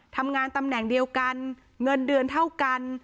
ทำงานตำแหน่งเดียวกันเงินเดือนเท่ากัน